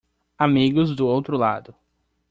Amigos do outro lado